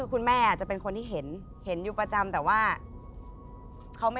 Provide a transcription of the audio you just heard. คมคมคม